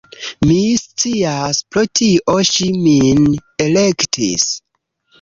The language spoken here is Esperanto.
Mi scias, pro tio ŝi min elektis